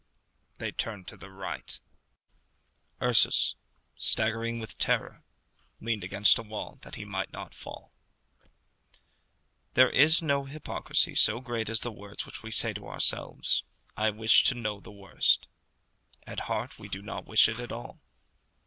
They turned to the right. Ursus, staggering with terror, leant against a wall that he might not fall. There is no hypocrisy so great as the words which we say to ourselves, "I wish to know the worst!" At heart we do not wish it at all.